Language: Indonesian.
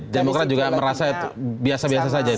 jadi demokrat juga merasa biasa biasa saja itu